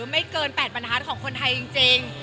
ไม่เกิน๘บาทของคนไทยจริง